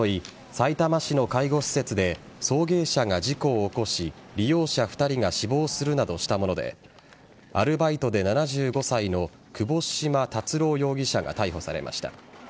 さいたま市の介護施設で送迎車が事故を起こし利用者２人が死亡するなどしたものでアルバイトで７５歳の窪島達郎容疑者が逮捕されました。